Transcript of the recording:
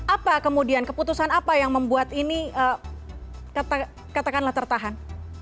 apa kemudian keputusan apa yang membuat ini katakanlah tertahan